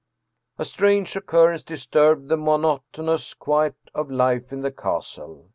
" A strange occurrence disturbed the monotonous quiet of life in the castle.